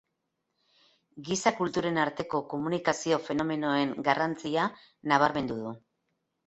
Giza kulturen arteko komunikazio-fenomenoen garrantzia nabarmendu du.